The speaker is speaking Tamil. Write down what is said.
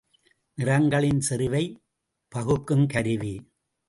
நிறங்களின் செறிவைப் பகுக்குங் கருவி.